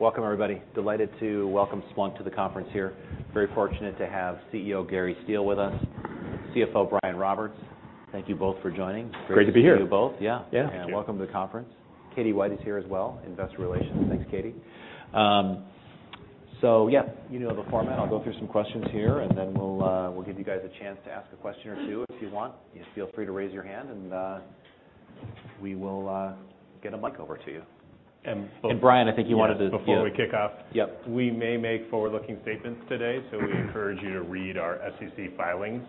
Welcome, everyone. We are delighted to welcome Splunk to the conference. We are fortunate to have Chief Executive Officer Gary Steele and Chief Financial Officer Brian Roberts with us. Thank you both for joining. Great to be here. Great to see you both. Yeah. Yeah. Welcome to the conference. Katie White is here as well, investor relations. Thanks, Katie. Yeah, you know the format. I'll go through some questions here, and then we'll give you guys a chance to ask a question or two if you want. Just feel free to raise your hand, and we will get a mic over to you. Brian, I think you wanted. Yes, before we kick off. Yep. We may make forward-looking statements today, so we encourage you to read our SEC filings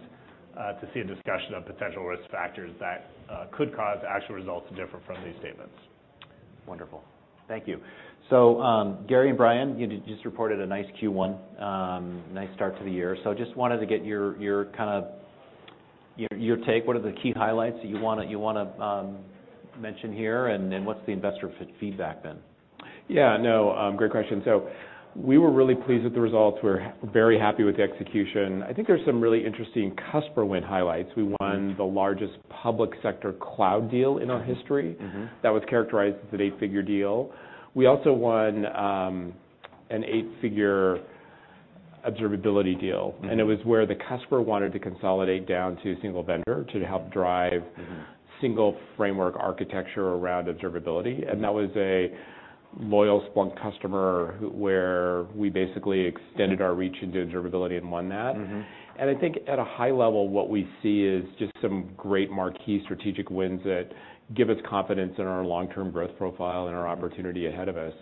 to see a discussion of potential risk factors that could cause actual results to differ from these statements. Based on the Cricket and Mantis Style Guides, here is the edited inquiry regarding Splunk's performance and market reception. Yeah, no, great question. We were really pleased with the results. We're very happy with the execution. I think there's some really interesting customer win highlights. We won the largest public sector cloud deal in our history. Mm-hmm, mm-hmm. that was characterized as an eight-figure deal. We also won an eight-figure observability deal. It was where the customer wanted to consolidate down to a single vendor to help. Single framework architecture around observability. That was a loyal Splunk customer, where we basically extended our reach into Observability and won that. I think at a high level, what we see is just some great marquee strategic wins that give us confidence in our long-term growth profile and our opportunity ahead of us.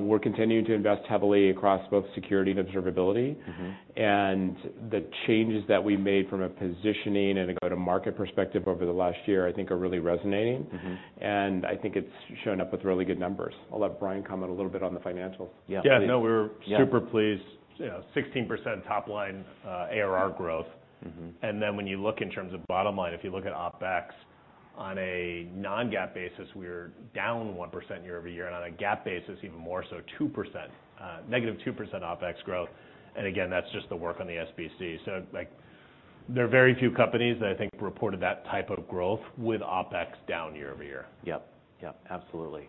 We're continuing to invest heavily across both security and observability. The changes that we made from a positioning and a go-to-market perspective over the last year, I think are really resonating. I think it's showing up with really good numbers. I'll let Brian comment a little bit on the financials. 16% top line, ARR growth. When evaluating the bottom line, our non-GAAP operating expenses decreased 1% year-over-year. On a GAAP basis, the improvement was even more pronounced, with negative 2% operating expense growth. Yep, absolutely.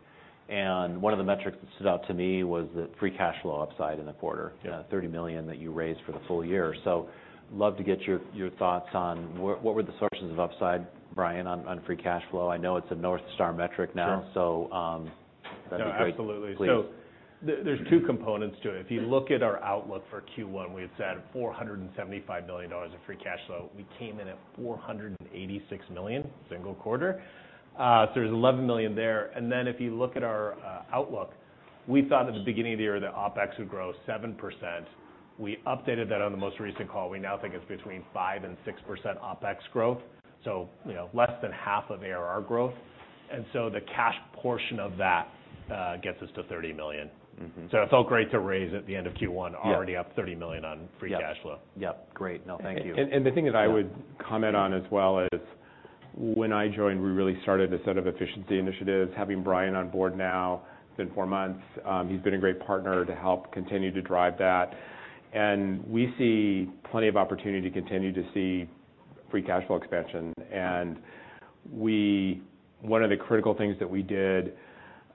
One of the metrics that stood out to me was the free cash flow upside in the quarter-... $30 million that you raised for the full year. love to get your thoughts on what were the sources of upside, Brian, on free cash flow? I know it's a North Star metric now. Sure. That'd be great. No, absolutely. Please. There are two components to the raise. First, regarding our outlook for Q1, we projected $475 million of free cash flow and delivered $486 million for the single quarter, representing an $11 million beat. Mm-hmm. It felt great to raise at the end of Q1. Yeah... already up $30 million on free cash flow. Yep, yep. Great. No, thank you. The thing that I. Yeah... comment on as well is, when I joined, we really started a set of efficiency initiatives. Having Brian on board now, it's been four months, he's been a great partner to help continue to drive that, and we see plenty of opportunity to continue to see free cash flow expansion. One of the critical things that we did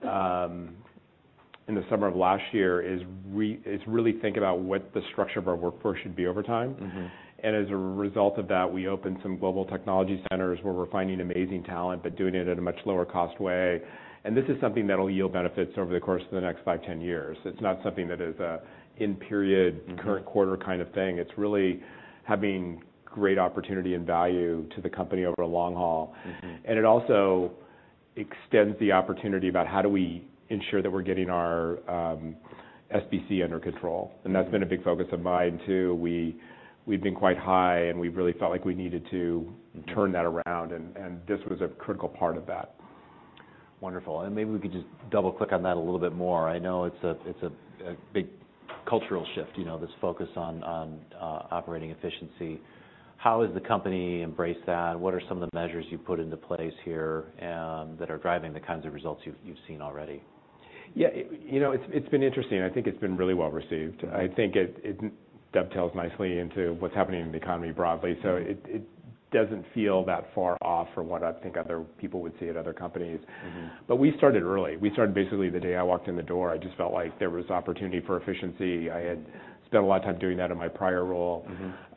in the summer of last year is really think about what the structure of our workforce should be over time. Mm-hmm. As a result of that, we opened some global technology centers, where we're finding amazing talent, doing it at a much lower cost way. This is something that'll yield benefits over the course of the next 5, 10 years. It's not something that is a in-period. Mm-hmm... current quarter kind of thing. It's really having great opportunity and value to the company over a long haul. Mm-hmm. It also extends the opportunity about how do we ensure that we're getting our SBC under control? Mm-hmm. That's been a big focus of mine, too. We've been quite high, and we've really felt like we needed to turn that around, and this was a critical part of that. Wonderful. Maybe we could just double-click on that a little bit more. I know it's a big cultural shift, you know, this focus on operating efficiency. How has the company embraced that? What are some of the measures you've put into place here, that are driving the kinds of results you've seen already? Yeah, it, you know, it's been interesting, and I think it's been really well received. Yeah. I think it dovetails nicely into what's happening in the economy broadly. Mm-hmm. It doesn't feel that far off from what I think other people would see at other companies. Mm-hmm. We started early. We started basically the day I walked in the door. I just felt like there was opportunity for efficiency. I had spent a lot of time doing that in my prior role.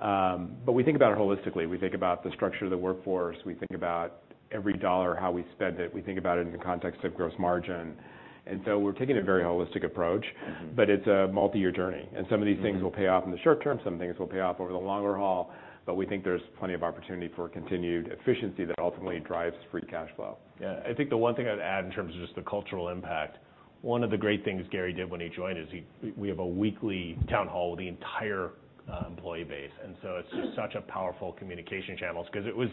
Mm-hmm. We think about it holistically. We think about the structure of the workforce. We think about every dollar, how we spend it. We think about it in the context of gross margin. We're taking a very holistic approach. Mm-hmm It's a multi-year journey. Mm-hmm. Some of these things will pay off in the short term, some things will pay off over the longer haul, but we think there's plenty of opportunity for continued efficiency that ultimately drives free cash flow. I think the one thing I'd add in terms of just the cultural impact, one of the great things Gary did when he joined is we have a weekly town hall with the entire employee base, and so it's just such a powerful communication channels. It was,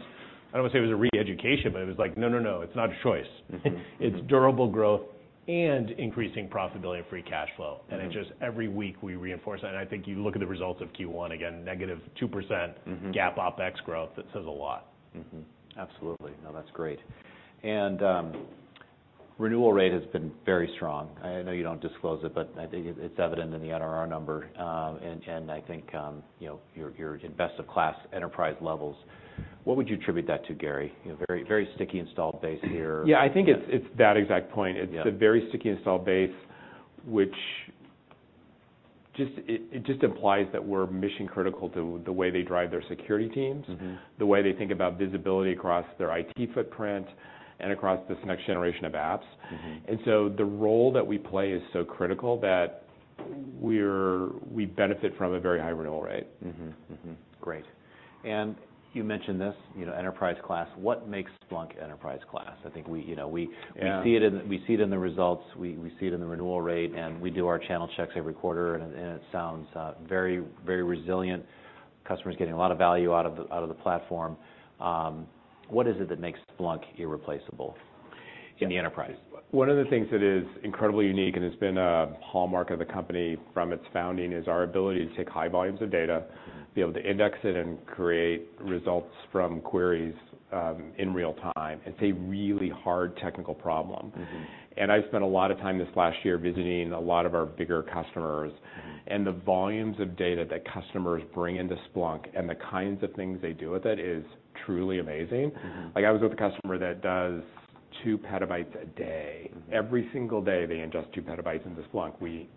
I don't want to say it was a re-education, but it was like, "No, no, it's not a choice. Mm-hmm, mm-hmm. It's durable growth and increasing profitability and free cash flow. Mm-hmm. It just every week, we reinforce that, and I think you look at the results of Q1, again, negative 2%. Mm-hmm GAAP OpEx growth, it says a lot. Absolutely. No, that's great. Renewal rate has been very strong. I know you don't disclose it, but I think it's evident in the NRR number. I think, you know, you're in best-in-class enterprise levels. What would you attribute that to, Gary? You know, very sticky installed base here. Yeah, I think it's that exact point. Yeah. It's a very sticky installed base, just, it just implies that we're mission critical to the way they drive their security teams. Mm-hmm. the way they think about visibility across their IT footprint, and across this next generation of apps. Mm-hmm. The role that we play is so critical that we benefit from a very high renewal rate. Great. You mentioned this, you know, enterprise class. What makes Splunk enterprise class? I think we, you know. Yeah... we see it in, we see it in the results. We see it in the renewal rate. We do our channel checks every quarter, and it sounds very resilient. Customers getting a lot of value out of the platform. What is it that makes Splunk irreplaceable? Yeah in the enterprise? One of the things that is incredibly unique, and has been a hallmark of the company from its founding, is our ability to take high volumes of data... Mm... be able to index it and create results from queries, in real time. It's a really hard technical problem. Mm-hmm. I spent a lot of time this last year visiting a lot of our bigger customers. Mm. The volumes of data that customers bring into Splunk, and the kinds of things they do with it, is truly amazing. Mm-hmm. Like, I was with a customer that does 2 petabytes a day. Mm. Every single day, they ingest 2 petabytes into Splunk. We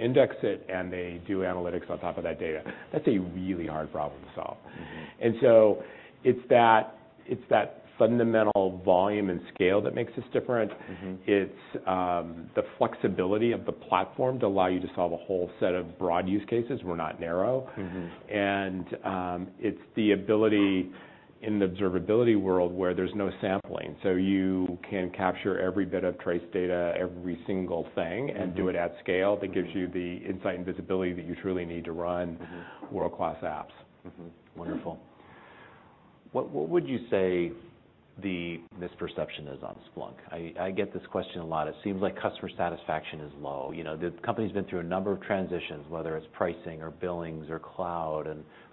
index it, and they do analytics on top of that data. That's a really hard problem to solve. Mm-hmm. It's that fundamental volume and scale that makes us different. Mm-hmm. It's, the flexibility of the Platform to allow you to solve a whole set of broad use cases. We're not narrow. Mm-hmm. It's the ability in the observability world where there's no sampling, so you can capture every bit of trace data, every single thing. Mm-hmm... and do it at scale. Mm-hmm. That gives you the insight and visibility that you truly need to run. Mm-hmm... world-class apps. Wonderful. What would you say the misperception is on Splunk? I get this question a lot. It seems like customer satisfaction is low. You know, the company's been through a number of transitions, whether it's pricing or billings or cloud,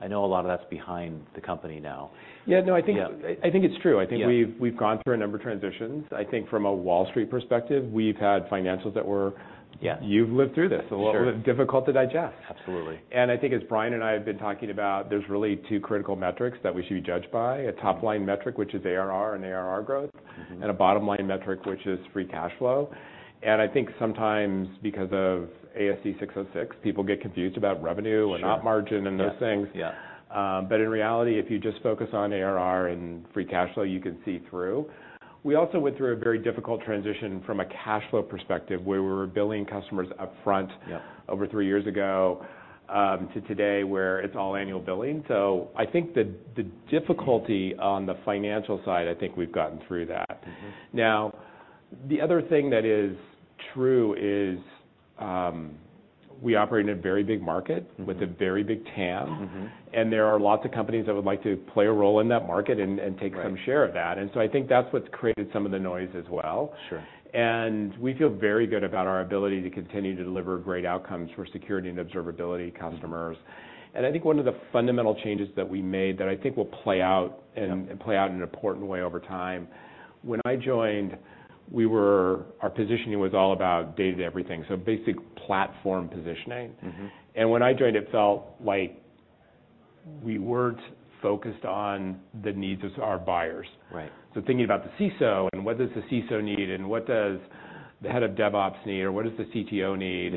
I know a lot of that's behind the company now. Yeah, no. Yeah... I think it's true. Yeah. I think we've gone through a number of transitions. I think from a Wall Street perspective, we've had financials. Yeah you've lived through this. Sure. A little difficult to digest. Absolutely. I think as Brian and I have been talking about, there's really two critical metrics that we should be judged by: a top-line metric, which is ARR and ARR growth. Mm-hmm... and a bottom-line metric, which is free cash flow. I think sometimes because of ASC 606, people get confused about. Sure... and net margin and those things. Yeah. Yeah. In reality, if you just focus on ARR and free cash flow, you can see through. We also went through a very difficult transition from a cash flow perspective, where we were billing customers upfront. Yeah Over 3 years ago, to today, where it's all annual billing. I think the difficulty on the financial side, I think we've gotten through that. Mm-hmm. The other thing that is true is, we operate in a very big market. Mm With a very big TAM. Mm-hmm. There are lots of companies that would like to play a role in that market and take... Right... some share of that, I think that's what's created some of the noise as well. Sure. We feel very good about our ability to continue to deliver great outcomes for security and observability customers. Mm-hmm. I think one of the fundamental changes that we made that I think will play out. Yeah... and play out in an important way over time, when I joined, our positioning was all about data everything, so basic platform positioning. Mm-hmm. When I joined, it felt like we weren't focused on the needs of our buyers. Right. Thinking about the CISO, and what does the CISO need, and what does the head of DevOps need, or what does the CTO need?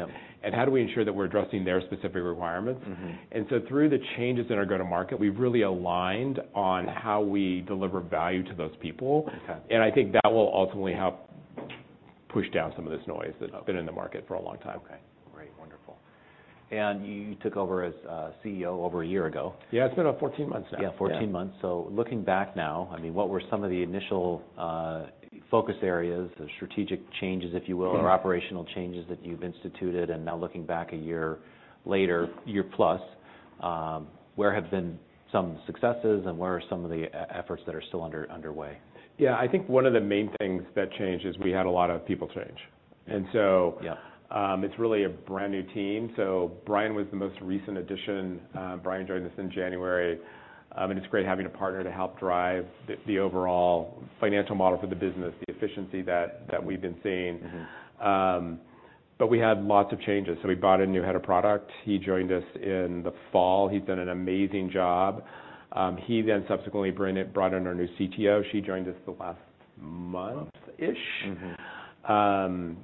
Yeah. How do we ensure that we're addressing their specific requirements? Mm-hmm. Through the changes in our go-to-market, we've really aligned on how we deliver value to those people. Okay. I think that will ultimately help push down some of this noise. Okay that's been in the market for a long time. Okay. Great. Wonderful. You took over as CEO over a year ago. Yeah, it's been about 14 months now. Yeah, 14 months. Yeah. looking back now, I mean, what were some of the initial focus areas, the strategic changes, if you will? Sure... or operational changes that you've instituted? Now, looking back a year later, year plus, where have been some successes, and where are some of the efforts that are still underway? Yeah, I think one of the main things that changed is we had a lot of people change. Yeah It's really a brand-new team. Brian was the most recent addition. Brian joined us in January. It's great having a partner to help drive the overall financial model for the business, the efficiency that we've been seeing. Mm-hmm. We had lots of changes, so we brought in a new head of product. He joined us in the fall. He's done an amazing job. He then subsequently brought in our new CTO. She joined us the last month-ish. Mm-hmm.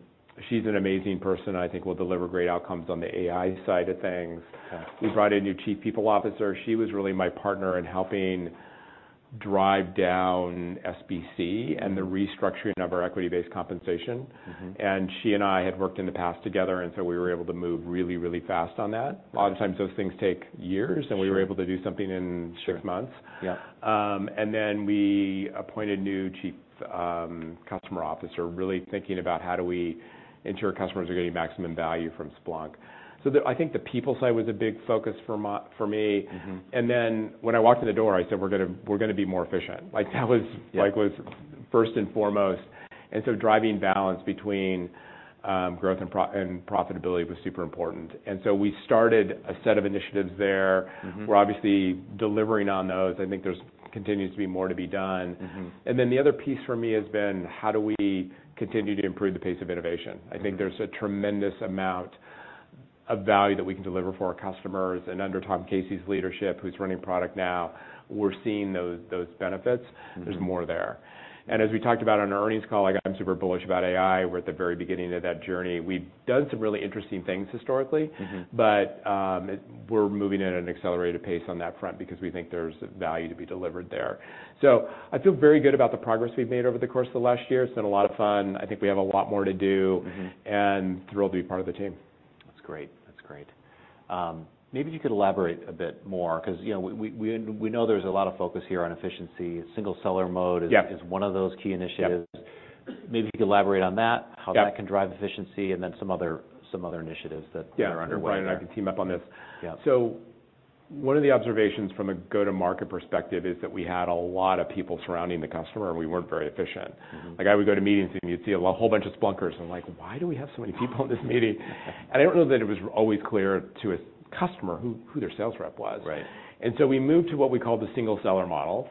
She's an amazing person, and I think will deliver great outcomes on the AI side of things. Okay. We brought in a new chief people officer. She was really my partner in helping drive down SBC and the restructuring of our equity-based compensation. Mm-hmm. She and I had worked in the past together, and so we were able to move really, really fast on that. Mm. A lot of the times, those things take years... Sure We were able to do something in six months. Sure. Yeah. We appointed a new Chief Customer Officer, really thinking about how do we ensure customers are getting maximum value from Splunk. The, I think the people side was a big focus for me. Mm-hmm. When I walked in the door, I said, "We're gonna be more efficient." Like, that was. Yeah... like, was first and foremost, driving balance between growth and profitability was super important. We started a set of initiatives there. Mm-hmm. We're obviously delivering on those. I think there's continues to be more to be done. Mm-hmm. The other piece for me has been, how do we continue to improve the pace of innovation? Mm-hmm. I think there's a tremendous amount, a value that we can deliver for our customers. Under Tom Casey's leadership, who's running product now, we're seeing those benefits. Mm-hmm. There's more there. As we talked about on our earnings call, like, I'm super bullish about AI. We're at the very beginning of that journey. We've done some really interesting things historically- Mm-hmm... we're moving at an accelerated pace on that front because we think there's value to be delivered there. I feel very good about the progress we've made over the course of the last year. It's been a lot of fun. I think we have a lot more to do. Mm-hmm Thrilled to be part of the team. That's great. That's great. maybe you could elaborate a bit more, 'cause, you know, we know there's a lot of focus here on efficiency. Single Seller mode-. Yeah... is one of those key initiatives. Yeah. Maybe you could elaborate on that? Yeah... how that can drive efficiency, and then some other initiatives. Yeah... are underway. Brian and I can team up on this. Yeah. One of the observations from a go-to-market perspective is that we had a lot of people surrounding the customer, and we weren't very efficient. Mm-hmm. Like, I would go to meetings, you'd see a whole bunch of Splunkers. I'm like, "Why do we have so many people in this meeting?" I don't know that it was always clear to a customer who their sales rep was. Right. We moved to what we call the single seller model.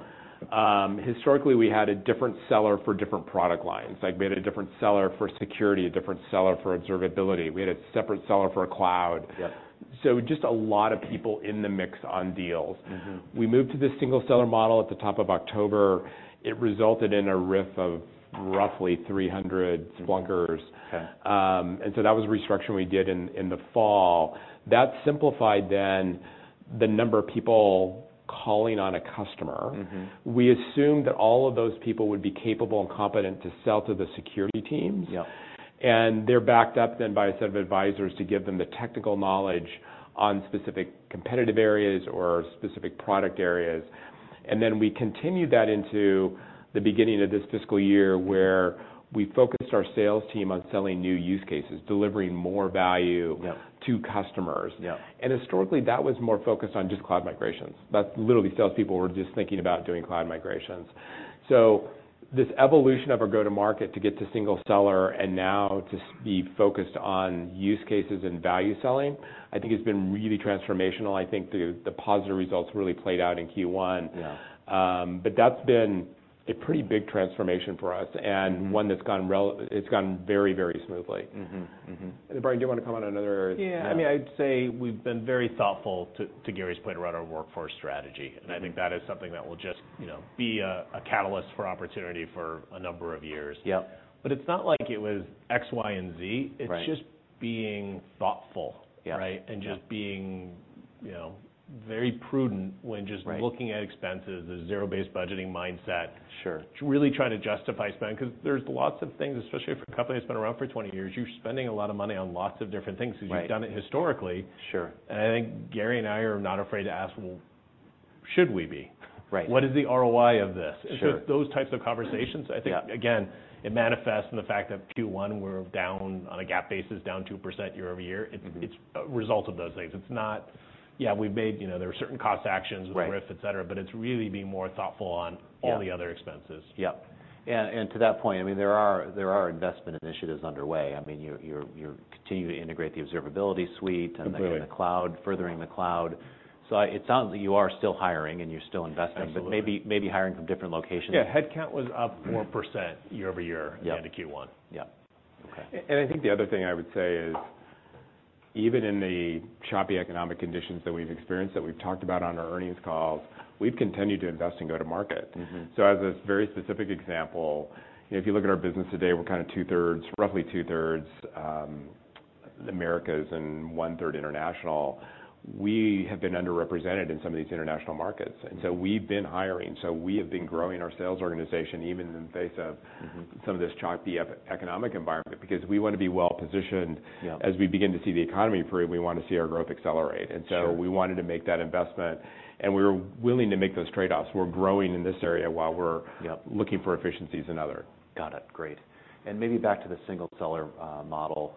Historically, we had a different seller for different product lines. Like, we had a different seller for security, a different seller for observability. We had a separate seller for cloud. Yeah. Just a lot of people in the mix on deals. Mm-hmm. We moved to this single seller model at the top of October. It resulted in a RIF of roughly 300 Splunkers. Okay. That was a restructure we did in the fall. That simplified then the number of people calling on a customer. Mm-hmm. We assumed that all of those people would be capable and competent to sell to the security teams. Yeah. They're backed up then by a set of advisors to give them the technical knowledge on specific competitive areas or specific product areas. We continued that into the beginning of this fiscal year, where we focused our sales team on selling new use cases, delivering more value... Yeah... to customers. Yeah. Historically, that was more focused on just cloud migrations. That's literally, salespeople were just thinking about doing cloud migrations. This evolution of our go-to-market to get to single seller and now to be focused on use cases and value selling, I think has been really transformational. I think the positive results really played out in Q1. Yeah. That's been a pretty big transformation for us. Mm-hmm... and one that's gone It's gone very smoothly. Mm-hmm. Mm-hmm. Brian, do you want to comment on another area? Yeah. Yeah, I mean, I'd say we've been very thoughtful, to Gary's point, around our workforce strategy. I think that is something that will just, you know, be a catalyst for opportunity for a number of years. Yeah. It's not like it was X, Y, and Z. Right. It's just being thoughtful- Yeah right? Yeah. just being, you know, very prudent when. Right looking at expenses, the zero-based budgeting mindset. Sure... to really try to justify spend. 'Cause there's lots of things, especially if a company has been around for 20 years, you're spending a lot of money on lots of different things... Right 'cause you've done it historically. Sure. I think Gary and I are not afraid to ask, "Well, should we be? Right. What is the ROI of this? Sure. those types of conversations. Yeah... I think, again, it manifests in the fact that Q1, we're down, on a GAAP basis, down 2% year-over-year. Mm-hmm. It's a result of those things. It's not... Yeah, you know, there were certain cost actions... Right... with RIF, et cetera, but it's really being more thoughtful on- Yeah all the other expenses. Yeah. Yeah, to that point, I mean, there are investment initiatives underway. I mean, you're continuing to integrate the Observability Suite. Absolutely... and the cloud, furthering the cloud. It sounds like you are still hiring, and you're still investing- Absolutely Maybe hiring from different locations. Yeah, headcount was up 4% year-over-year. Yeah end of Q1. Yeah. Okay. I think the other thing I would say is, even in the choppy economic conditions that we've experienced, that we've talked about on our earnings calls, we've continued to invest in go-to-market. Mm-hmm. As a very specific example, if you look at our business today, we're kind of roughly two-thirds Americas and one-third International. We have been underrepresented in some of these international markets, and so we've been hiring. We have been growing our sales organization, even in the face of. Mm-hmm... some of this choppy economic environment, because we want to be well-positioned. Yeah. As we begin to see the economy improve, we want to see our growth accelerate. Sure. We wanted to make that investment, and we were willing to make those trade-offs. We're growing in this area while. Yeah looking for efficiencies in other. Got it. Great. Maybe back to the single seller model.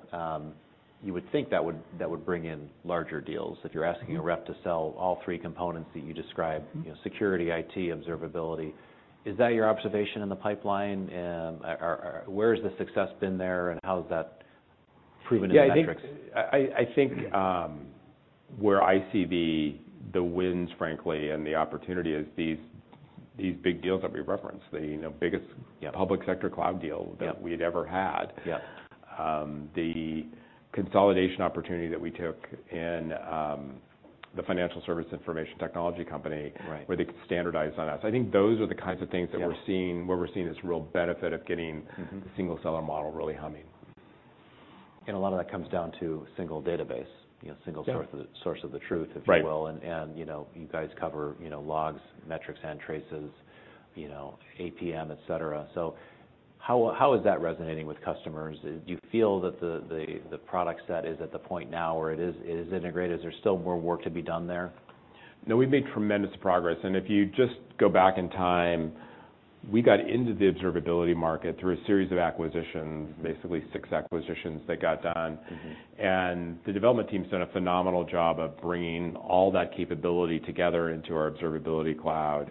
You would think that would bring in larger deals. Mm-hmm. If you're asking a rep to sell all three components that you described. Mm-hmm Security, IT, observability. Is that your observation in the pipeline? Where has the success been there, and how has that proven in the metrics? I think, where I see the wins, frankly, and the opportunity is these big deals that we referenced, the, you know, biggest. Yeah... public sector cloud deal Yeah... that we'd ever had. Yeah. the consolidation opportunity that we took in, the financial service information technology company- Right where they could standardize on us. I think those are the kinds of things. Yeah we're seeing, where we're seeing this real benefit of getting- Mm-hmm... the single seller model really humming. a lot of that comes down to single database, you know. Yeah Single source of the truth, if you will. Right. You cover logs, metrics, and traces, as well as APM. How is that resonating with customers? Do you feel the product set is fully integrated at this point, or is there still more work to be done? No, we've made tremendous progress, and if you just go back in time, we got into the observability market through a series of acquisitions, basically six acquisitions that got done. Mm-hmm. The development team's done a phenomenal job of bringing all that capability together into our Observability Cloud.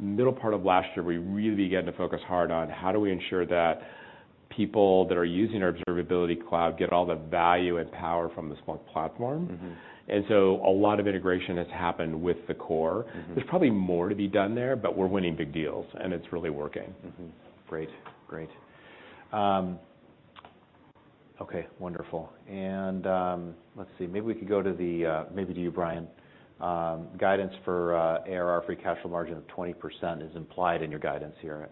Mm-hmm. Middle part of last year, we really began to focus hard on: How do we ensure that people that are using our Observability Cloud get all the value and power from the Splunk platform? Mm-hmm. A lot of integration has happened with the core. Mm-hmm. There's probably more to be done there, but we're winning big deals, and it's really working. Wonderful. Let's see. Maybe we could go to the, maybe to you, Brian. Guidance for, ARR free cash flow margin of 20% is implied in your guidance here.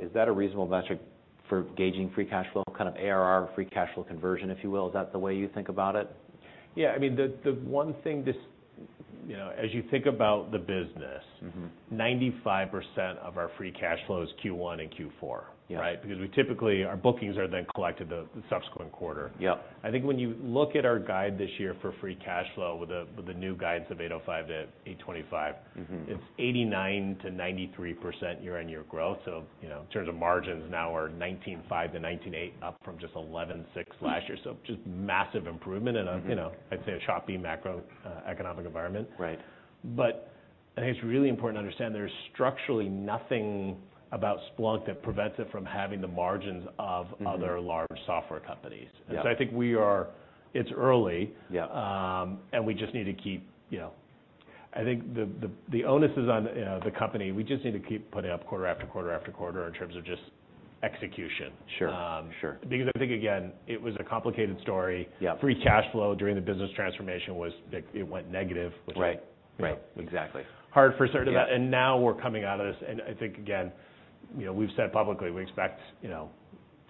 Is that a reasonable metric for gauging free cash flow, kind of ARR free cash flow conversion, if you will? Is that the way you think about it? Yeah. I mean, the one thing this, you know, as you think about the business. Mm-hmm. 95% of our free cash flow is Q1 and Q4. Yeah. Right? Because we typically, our bookings are then collected the subsequent quarter. Yep. I think when you look at our guide this year for free cash flow with the new guidance of $805 million-$825 million. Mm-hmm We are seeing 89% to 93% year-over-year growth. In terms of profitability, our margins are now between 19.5% and 19.8%, a significant increase from just 11.6% last year. Mm-hmm. Just massive improvement in... Mm-hmm I'd say a choppy, macro, economic environment. Right. I think it's really important to understand there's structurally nothing about Splunk that prevents it from having the margins of- Mm-hmm... other large software companies. Yeah. I think it's early... Yeah We just need to keep, you know, I think the onus is on the company. We just need to keep putting up quarter after quarter after quarter in terms of just execution. Sure, sure. Because I think, again, it was a complicated story. Yeah. Free cash flow during the business transformation it went negative, which- Right. Right, exactly.... Hard for sort of. Yeah. Now we're coming out of this, and I think, again, you know, we've said publicly we expect, you know,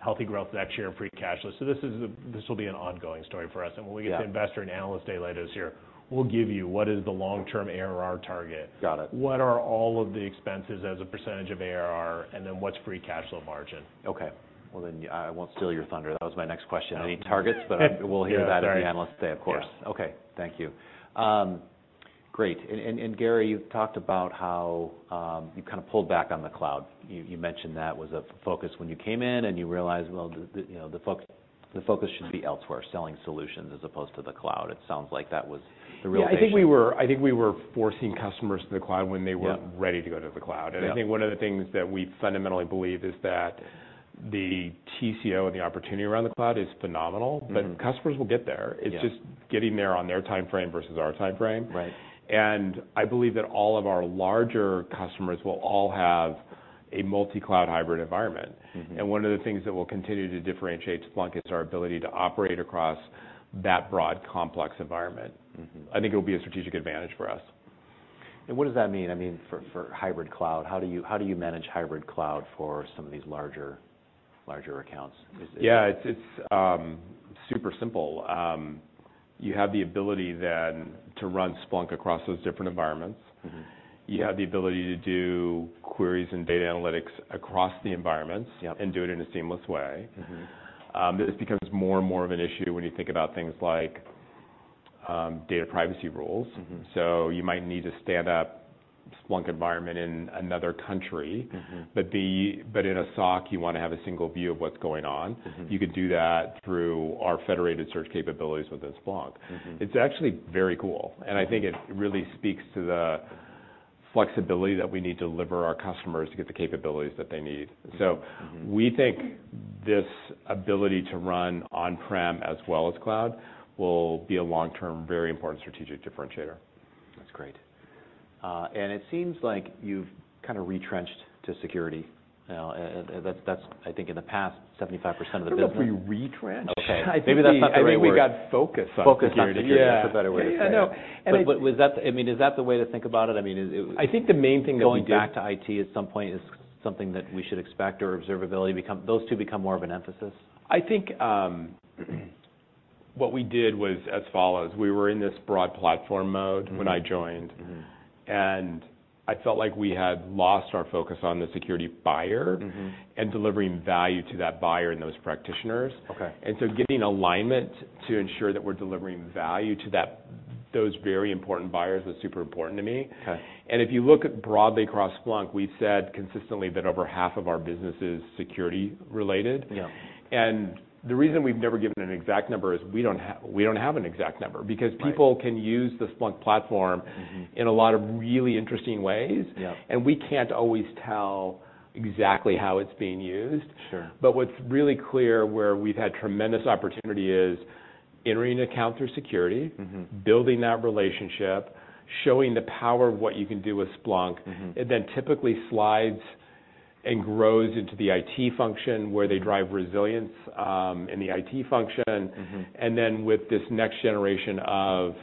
healthy growth next year in free cash flow. This will be an ongoing story for us. Yeah. When we get to Investor and Analyst Day later this year, we'll give you what is the long-term ARR target. Got it. What are all of the expenses as a % of ARR, and then what's free cash flow margin? Okay. Well, I won't steal your thunder. That was my next question. Any targets? Yeah. Sorry. We'll hear that at the Analyst Day, of course. Yeah. Gary, you've talked about how you kind of pulled back on the cloud. You, you mentioned that was a focus when you came in, and you realized, well, you know, the focus should be elsewhere, selling solutions as opposed to the cloud. It sounds like that was the realization. Yeah, I think we were forcing customers to the cloud. Yeah... weren't ready to go to the cloud. Yeah. I think one of the things that we fundamentally believe is that the TCO and the opportunity around the cloud is phenomenal. Mm-hmm Customers will get there. Yeah. It's just getting there on their timeframe versus our timeframe. Right. I believe that all of our larger customers will all have a multi-cloud hybrid environment. Mm-hmm. One of the things that will continue to differentiate Splunk is our ability to operate across that broad, complex environment. Mm-hmm. I think it'll be a strategic advantage for us. What does that mean, I mean, for hybrid cloud? How do you manage hybrid cloud for some of these larger accounts? Yeah, it's super simple. You have the ability then to run Splunk across those different environments. Mm-hmm. You have the ability to do queries and data analytics across the environments. Yep And do it in a seamless way. Mm-hmm. This becomes more and more of an issue when you think about things like, data privacy rules. Mm-hmm. You might need to stand up Splunk environment in another country. Mm-hmm In a SOC, you want to have a single view of what's going on. Mm-hmm. You can do that through our federated search capabilities within Splunk. Mm-hmm. It's actually very cool, and I think it really speaks to the flexibility that we need to deliver our customers to get the capabilities that they need. Mm-hmm. Mm-hmm. We think this ability to run on-prem as well as cloud will be a long-term, very important strategic differentiator. That's great. It seems like you've kind of retrenched to security. Now, that's, I think in the past, 75% of the business... I don't know if we retrenched. Okay, maybe that's not the right word. I think we got focused. Focused on security. Yeah. For a better way to say it. Yeah. No, and was that... I mean, is that the way to think about it? I mean. I think the main thing that we do- Going back to IT at some point is something that we should expect or observability those two become more of an emphasis? I think, what we did was as follows: we were in this broad platform mode. Mm-hmm... when I joined. Mm-hmm. I felt like we had lost our focus on the security buyer. Mm-hmm... and delivering value to that buyer and those practitioners. Okay. Getting alignment to ensure that we're delivering value to that, those very important buyers was super important to me. Okay. If you look broadly across Splunk, we've said consistently that over half of our business is security-related. Yeah. The reason we've never given an exact number is we don't have an exact number. Right. People can use the Splunk platform- Mm-hmm... in a lot of really interesting ways. Yeah. We can't always tell exactly how it's being used. Sure. What's really clear, where we've had tremendous opportunity, is entering an account through security. Mm-hmm... building that relationship, showing the power of what you can do with Splunk. Mm-hmm And then typically slides and grows into the IT function, where they drive resilience, in the IT function. Mm-hmm. With this next generation of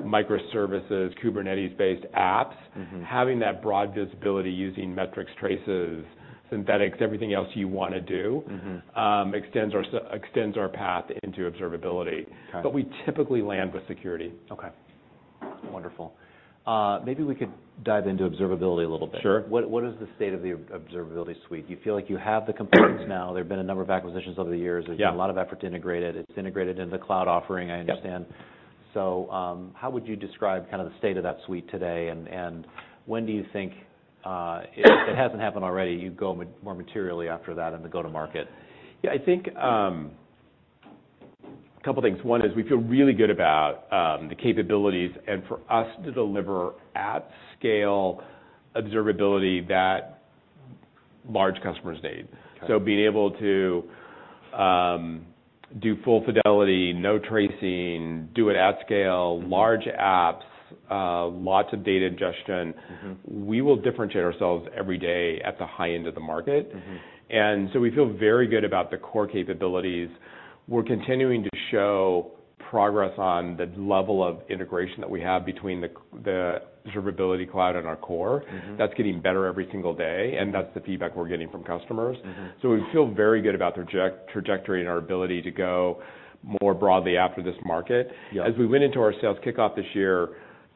microservices, Kubernetes-based apps. Mm-hmm Having that broad visibility using metrics, traces, synthetics, everything else you wanna do. Mm-hmm Extends our path into observability. Okay. We typically land with security. Maybe we could dive into Observability a little bit. Sure. What is the state of the Observability Suite? Do you feel like you have the components now? There have been a number of acquisitions over the years. Yeah. There's been a lot of effort to integrate it. It's integrated into the cloud offering. Yep How would you describe kind of the state of that suite today, and when do you think, if it hasn't happened already, you'd go more materially after that in the go-to-market? I think, a couple things. One is we feel really good about, the capabilities and for us to deliver at scale observability that large customers need. Okay. Being able to do full fidelity, no tracing, do it at scale, large apps, lots of data ingestion. Mm-hmm. We will differentiate ourselves every day at the high end of the market. Mm-hmm. We feel very good about the core capabilities. We're continuing to show progress on the level of integration that we have between the Observability Cloud and our core. Mm-hmm. That's getting better every single day, and that's the feedback we're getting from customers. Mm-hmm. We feel very good about the trajectory and our ability to go more broadly after this market. Yeah. As we went into our sales kickoff this year,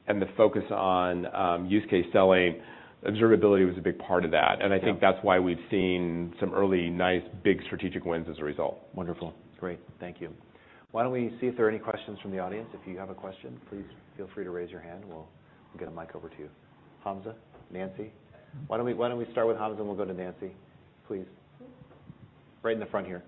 and the focus on, use case selling, observability was a big part of that. Yeah. I think that's why we've seen some early, nice, big strategic wins as a result. Why don't we see if there are any questions from the audience? If you have a question, please feel free to raise your hand, we'll get a mic over to you. Hamza, Nancy? Why don't we, why don't we start with Hamza, and then we'll go to Nancy. Please. Right in the front here.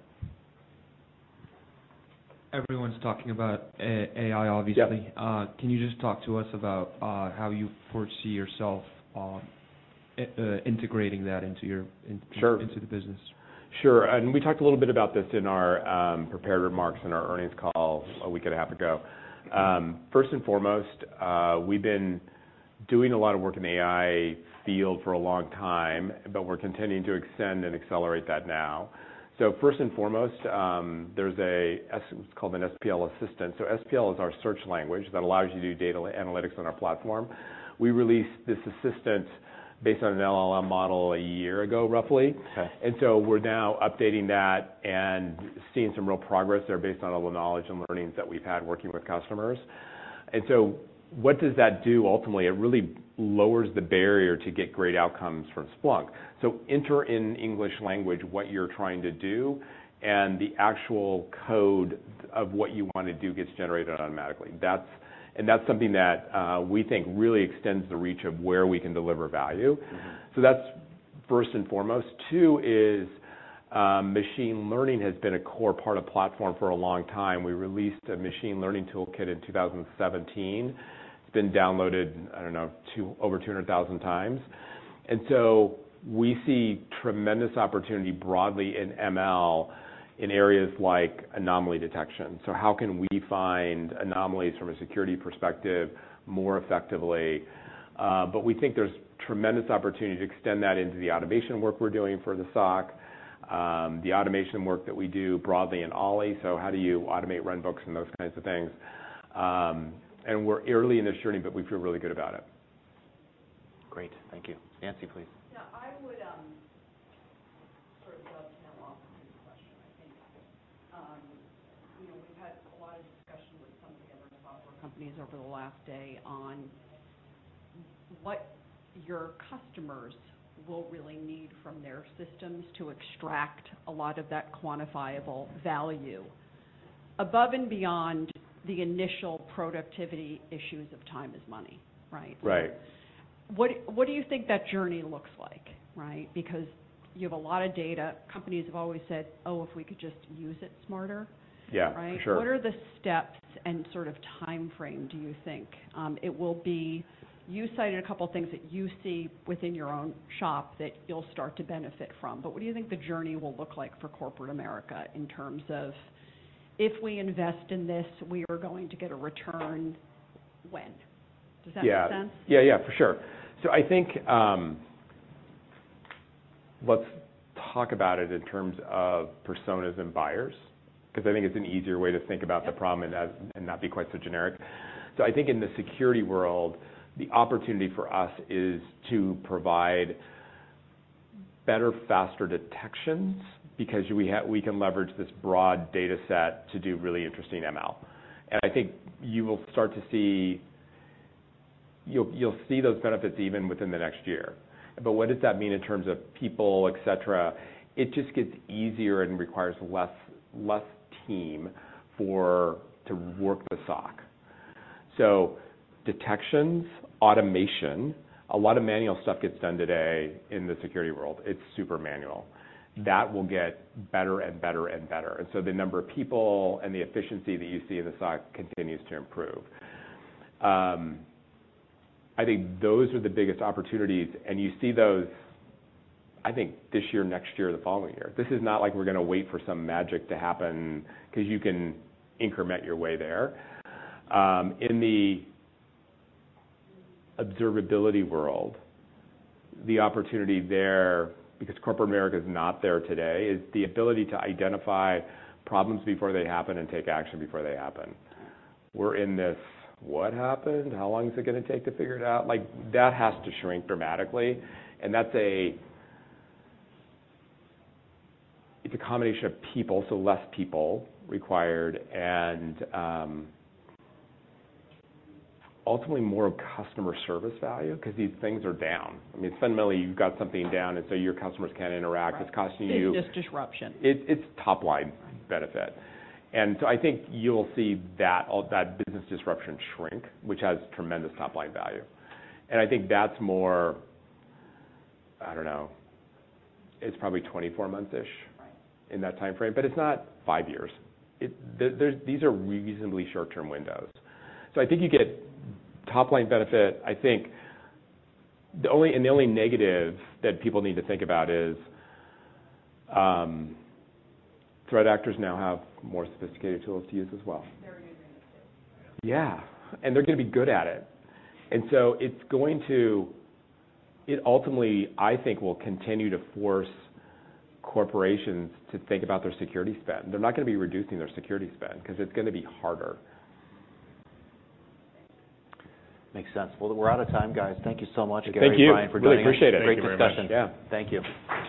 Everyone's talking about AI, obviously. Yeah. Can you just talk to us about how you foresee yourself integrating that into? Sure Into the business? We talked a little bit about this in our prepared remarks in our earnings call a week and a half ago. First and foremost, we've been doing a lot of work in the AI field for a long time, but we're continuing to extend and accelerate that now. First and foremost, there's it's called an SPL Assistant. SPL is our search language that allows you to do data analytics on our platform. We released this assistant based on an LLM model 1 year ago, roughly. Okay. We're now updating that and seeing some real progress there based on all the knowledge and learnings that we've had working with customers. What does that do ultimately? It really lowers the barrier to get great outcomes from Splunk. Enter in English language what you're trying to do, and the actual code of what you want to do gets generated automatically. And that's something that we think really extends the reach of where we can deliver value. Mm-hmm. That's first and foremost. Two is, machine learning has been a core part of platform for a long time. We released a Machine Learning Toolkit in 2017. It's been downloaded, I don't know, over 200,000 times. We see tremendous opportunity broadly in ML in areas like anomaly detection. How can we find anomalies from a security perspective more effectively? We think there's tremendous opportunity to extend that into the automation work we're doing for the SOC, the automation work that we do broadly in O11y. How do you automate runbooks and those kinds of things? We're early in this journey, but we feel really good about it. Great, thank you. Nancy, please. I would sort of love to follow up on his question, I think. You know, we've had a lot of discussions with some of the other software companies over the last day on what your customers will really need from their systems to extract a lot of that quantifiable value, above and beyond the initial productivity issues of time is money, right? Right. What do you think that journey looks like, right? Because you have a lot of data. Companies have always said, "Oh, if we could just use it smarter. Yeah. Right? For sure. What are the steps and sort of timeframe do you think? You cited a couple of things that you see within your own shop that you'll start to benefit from, but what do you think the journey will look like for corporate America in terms of, if we invest in this, we are going to get a return when? Yeah. Does that make sense? I think, let's talk about it in terms of personas and buyers, because I think it's an easier way to think about the problem. Yeah And not be quite so generic. I think in the security world, the opportunity for us is to provide better, faster detections because we can leverage this broad data set to do really interesting ML. I think you will start to see, you'll see those benefits even within the next year. What does that mean in terms of people, et cetera? It just gets easier and requires less team for, to work the SOC. Detections, automation. A lot of manual stuff gets done today in the security world. It's super manual. Mm-hmm. That will get better and better and better, the number of people and the efficiency that you see in the SOC continues to improve. I think those are the biggest opportunities, and you see those, I think this year, next year or the following year. This is not like we're gonna wait for some magic to happen, 'cause you can increment your way there. In the observability world, the opportunity there, because corporate America is not there today, is the ability to identify problems before they happen and take action before they happen. We're in this, "What happened? How long is it gonna take to figure it out?" Like, that has to shrink dramatically, It's a combination of people, so less people required, and ultimately more customer service value, 'cause these things are down. I mean, fundamentally, you've got something down, and so your customers can't interact. Right. It's costing you- It's just disruption. It's top line. Right All that business disruption shrink, which has tremendous top-line value. I think that's more, I don't know, it's probably 24 month-ish... Right In that timeframe, but it's not five years. These are reasonably short-term windows. I think you get top-line benefit. I think the only negative that people need to think about is, threat actors now have more sophisticated tools to use as well. They're using the tools. It ultimately, I think, will continue to force corporations to think about their security spend. They're not gonna be reducing their security spend, 'cause it's gonna be harder. Makes sense. Well, we're out of time, guys. Thank you so much again- Thank you. Brian, for joining us. Really appreciate it. Great discussion. Thank you very much. Yeah. Thank you.